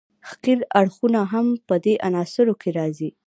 ښکیل اړخونه هم په دې عناصرو کې راځي.